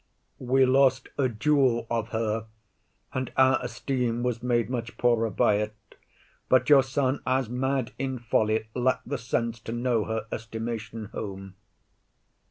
We lost a jewel of her, and our esteem Was made much poorer by it; but your son, As mad in folly, lack'd the sense to know Her estimation home.